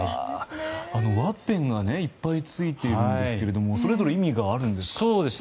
ワッペンがいっぱいついているんですけどそれぞれ意味があるんですか？